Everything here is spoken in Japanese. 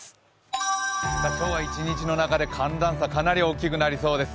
今日は一日の中で寒暖差がかなり大きくなりそうです。